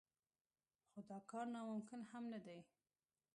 خو دا کار ناممکن هم نه دی.